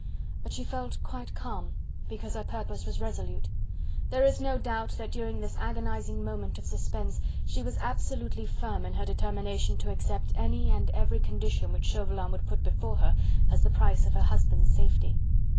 But she felt quite calm, because her purpose was resolute. There is no doubt that during this agonizing moment of suspense she was absolutely firm in her determination to accept any and every condition which Chauvelin would put before her as the price of her husband's safety.